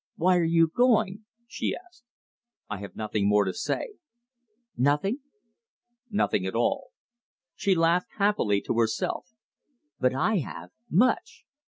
"Why are you going?" she asked. "I have nothing more to say." "NOTHING?" "Nothing at all." She laughed happily to herself. "But I have much.